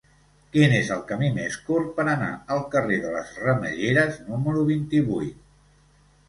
Quin és el camí més curt per anar al carrer de les Ramelleres número vint-i-vuit?